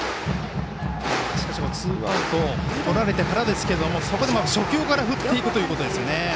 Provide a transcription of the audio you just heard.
しかし、ツーアウトをとられてからですけれどもそこでも初球から振っていくということでですね。